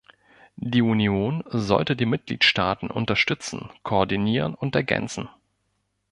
Die Union sollte die Mitgliedstaaten unterstützen, koordinieren und ergänzen.